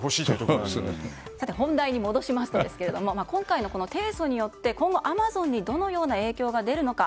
本題に戻しますと今回の提訴によって今後アマゾンにどのような影響が出るのか。